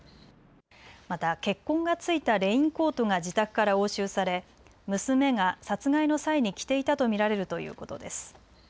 また血痕がついたレインコートが自宅から押収され娘が殺害の際に着ていたと見られるということです。